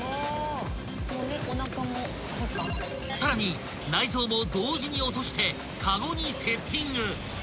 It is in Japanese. ［さらに内臓も同時に落として籠にセッティング］